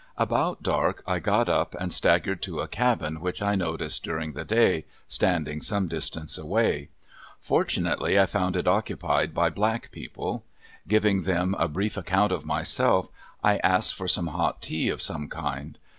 About dark I got up and staggered to a cabin which I noticed during the day, standing some distance away. Fortunately I found it occupied by black people. Giving them a brief account of myself, I asked for some hot tea of some kind.